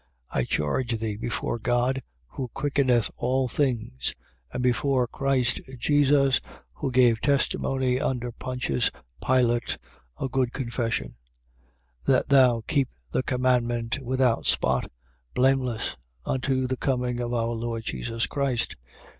6:13. I charge thee before God who quickeneth all things, and before Christ Jesus who gave testimony under Pontius Pilate, a good confession: 6:14. That thou keep the commandment without spot, blameless, unto the coming of our Lord Jesus Christ, 6:15.